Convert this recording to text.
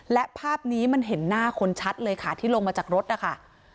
และภาพนี้มันเห็นหน้าคนชัดเลยค่ะที่ลงมาจากรถนะคะ